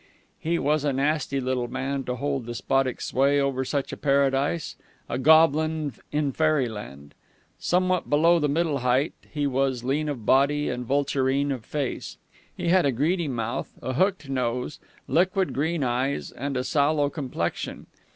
He was a nasty little man to hold despotic sway over such a Paradise: a goblin in Fairyland. Somewhat below the middle height, he was lean of body and vulturine of face. He had a greedy mouth, a hooked nose, liquid green eyes and a sallow complexion.